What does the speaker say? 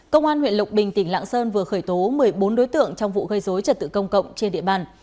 công an huyện lộc bình tỉnh lạng sơn vừa khởi tố một mươi bốn đối tượng trong vụ gây dối trật tự công cộng trên địa bàn